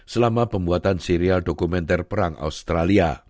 selama pembuatan serial dokumenter perang australia